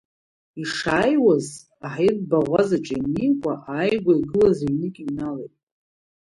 Ишааиуаз, аҳаиртә баӷәазаҿы имнеикәа, ааигәа игылаз ҩнык иҩналеит.